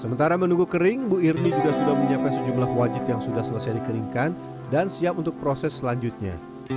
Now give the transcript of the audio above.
sementara menunggu kering bu irmi juga sudah menyiapkan sejumlah wajit yang sudah selesai dikeringkan dan siap untuk proses selanjutnya